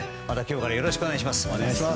また今日からよろしくお願いします。